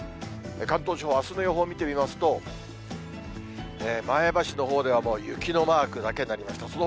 関東地方、あすの予報を見てみますと、前橋のほうでは、もう雪のマークだけになりました。